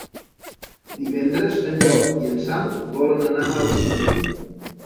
Divendres en Llop i en Sam volen anar al cinema.